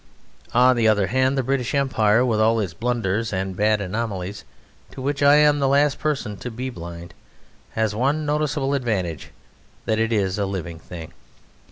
On the other hand, the British Empire, with all its blunders and bad anomalies, to which I am the last person to be blind, has one noticeable advantage that it is a living thing.